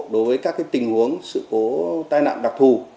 đối với các tình huống sự cố tai nạn đặc thù